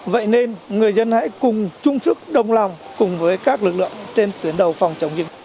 vậy nên người dân hãy cùng chung sức đồng lòng cùng với các lực lượng trên tuyến đầu phòng chống dịch